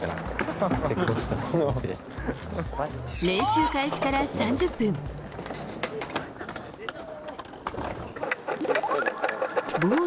練習開始から３０分。